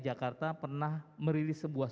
jakarta pernah merilis sebuah